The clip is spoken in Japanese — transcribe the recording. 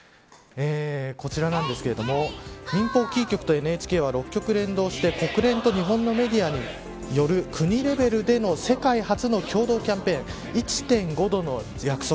こちらなんですけれども民放キー局とＮＨＫは６局連動して国連と日本のメディアによる国レベルでの世界初の共同キャンペーン１．５度の約束。